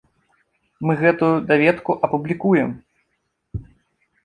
Мы гэту даведку апублікуем.